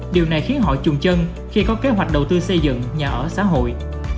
điều này khiến họ trùng chân khi có kế hoạch đầu tư xây dựng nhà ở xã hội